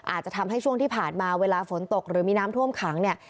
อาจจะทำให้ช่วงที่ผ่านมาเวลาฝนตกหรือมีน้ำท่วมขังเนี่ย